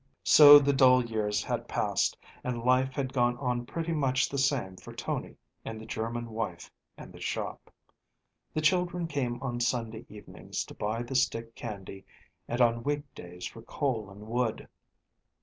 So the dull years had passed, and life had gone on pretty much the same for Tony and the German wife and the shop. The children came on Sunday evenings to buy the stick candy, and on week days for coal and wood.